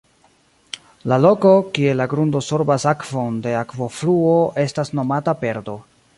La loko, kie la grundo sorbas akvon de akvofluo estas nomata "perdo".